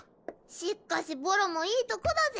しっかしボロもいいとこだぜ。